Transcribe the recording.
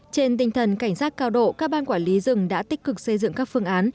trên tinh thần cảnh giác cao độ các ban quản lý rừng đã tích cực xây dựng các phương án